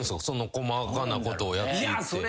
その細かなことをやっていって。